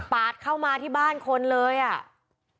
เข้ามาที่บ้านคนเลยอ่ะ